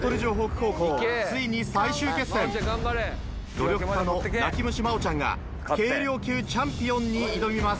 努力家の泣き虫真央ちゃんが軽量級チャンピオンに挑みます。